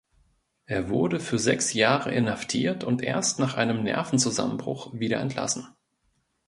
Er wurde für sechs Jahre inhaftiert und erst nach einem Nervenzusammenbruch wieder entlassen.